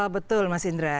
betul mas indra